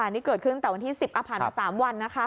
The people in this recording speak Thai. นี่เกิดขึ้นแต่วันที่๑๐ผ่านมา๓วันนะคะ